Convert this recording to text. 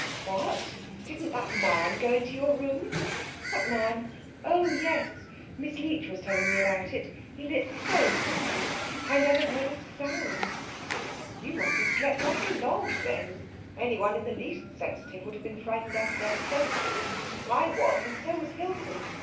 "What, didn't that man go into your room?" "What man? Oh, yes, Miss Leech was telling me about it. He lit the stoves, didn't he? I never heard a sound." "You must have slept like a log then. Any one in the least sensitive would have been frightened out of their senses. I was, and so was Hilton.